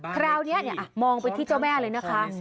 คราวนี้มองไปที่เจ้าแม่เลยนะคะ